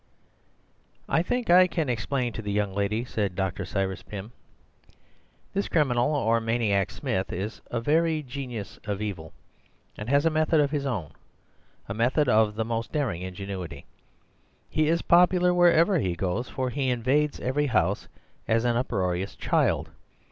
"I think I can explain to the young lady," said Dr. Cyrus Pym. "This criminal or maniac Smith is a very genius of evil, and has a method of his own, a method of the most daring ingenuity. He is popular wherever he goes, for he invades every house as an uproarious child.